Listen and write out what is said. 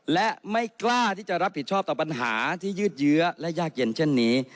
และไม่กล้าที่จะรับผิดชอบต่อปัญหาที่ยืดเยื้อและยากเย็นเช่นนี้